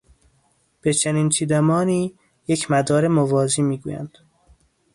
به چنین چیدمانی، یک مدار موازی میگویند